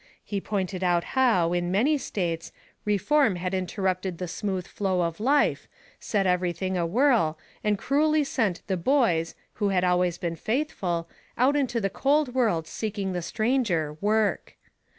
He pointed out how, in many states, reform had interrupted the smooth flow of life, set everything awhirl, and cruelly sent "the boys" who had always been faithful out into the cold world seeking the stranger, work.